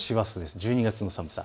１２月の寒さ。